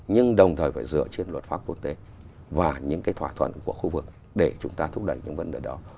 nhưng đồng thời phải dựa trên luật pháp quốc tế và những cái thỏa thuận của khu vực để chúng ta thúc đẩy những vấn đề đó